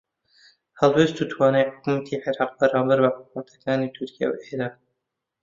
هەڵوێست و توانای حکوومەتی عێراق بەرامبەر بە حکوومەتەکانی تورکیا و ئێران